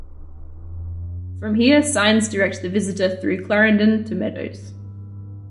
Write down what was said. From here signs direct the visitor through Clarendon to Meadows.